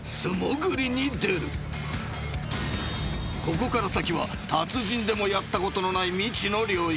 ［ここから先は達人でもやったことのない未知の領域］